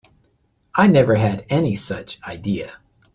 I never had any such idea.